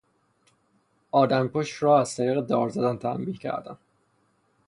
آدمکش را از طریق دار زدن تنبیه کردن